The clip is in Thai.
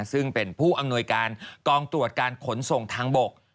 ซึ่งเป็นผู้อำนวยการกองตรวจการขนส่งทางบก